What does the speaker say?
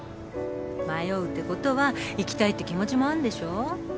迷うってことは行きたいって気持ちもあんでしょ？